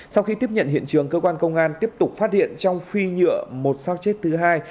sau khi tiếp nhận hiện trường cơ quan công an tiếp tục phát hiện trong phi nhựa một sao chết thứ hai